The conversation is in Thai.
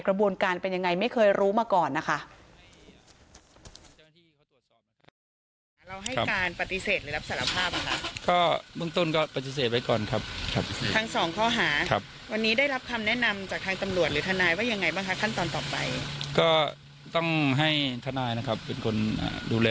กระบวนการเป็นยังไงไม่เคยรู้มาก่อนนะคะ